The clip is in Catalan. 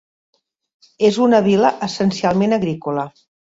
És una vila essencialment agrícola.